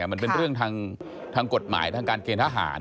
มันเป็นเรื่องทางกฎหมายทางการเกณฑ์ทหาร